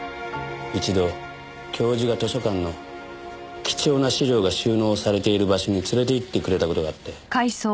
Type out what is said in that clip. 一度教授が図書館の貴重な資料が収納されている場所に連れて行ってくれた事があって。